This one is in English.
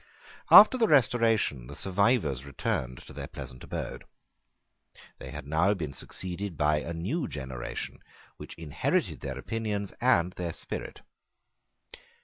After the Restoration the survivors returned to their pleasant abode. They had now been succeeded by a new generation which inherited their opinions and their spirit.